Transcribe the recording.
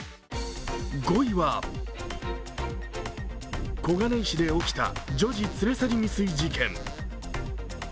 ５位は、小金井市で起きた女児連れ去り未遂事件。